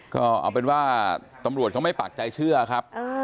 ก็เอาเป็นว่าตำรวจเขาไม่ปากใจเชื่อครับ